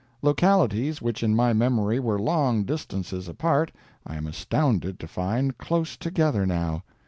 Localities which, in my memory, were long distances apart, I am astounded to find close together now.